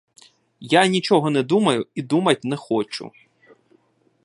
Я нічого не думаю і думать не хочу.